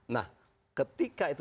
nah ketika itu